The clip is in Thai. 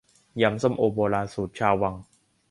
ยำส้มโอโบราณ สูตรชาววัง